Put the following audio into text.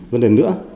vấn đề nữa